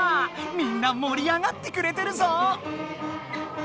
みんなもり上がってくれてるぞ！